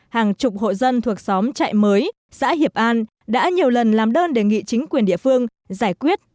hàng chục hộ dân thuộc xóm trại mới xã hiệp an đã nhiều lần làm đơn đề nghị chính quyền địa phương giải quyết